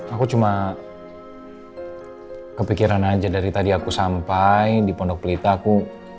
aku cuma kepikiran aja dari tadi aku sampai di pondok pelita aku